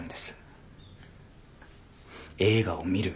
映画を見る。